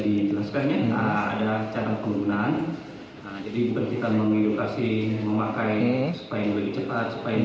dijelaskan ada cara penggunaan jadi berhentikan mengedukasi memakai supaya lebih cepat supaya